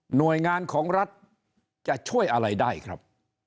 หน่วยงานของรัฐจะช่วยอะไรได้ครับ